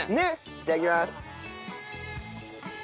いただきます。